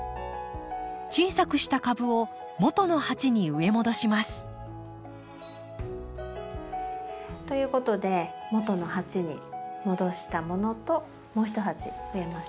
小さくした株を元の鉢に植え戻します。ということで元の鉢に戻したものともう一鉢増えましたね。